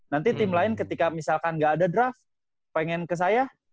nanti tim lain ketika misalkan gak ada draft pengen ke saya